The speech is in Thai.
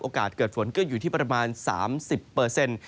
เกิดฝนก็อยู่ที่ประมาณ๓๐เปอร์เซ็นต์